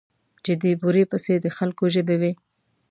چې د بورې پسې د خلکو ژبې وې.